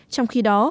trong khi đó